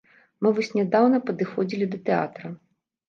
Мы вось нядаўна падыходзілі да тэатра.